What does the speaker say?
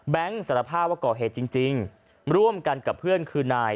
สารภาพว่าก่อเหตุจริงร่วมกันกับเพื่อนคือนาย